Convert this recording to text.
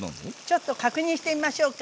ちょっと確認してみましょうか。